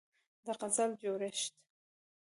د غزل جوړښت